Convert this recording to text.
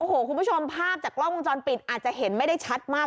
โอ้โหคุณผู้ชมภาพจากกล้องวงจรปิดอาจจะเห็นไม่ได้ชัดมาก